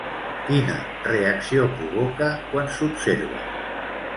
Quina reacció provoca quan s'observa?